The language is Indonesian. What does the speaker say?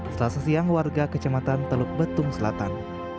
setelah sesiang warga kecamatan teluk betung selatan